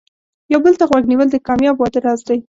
یو بل ته غوږ نیول د کامیاب واده راز دی.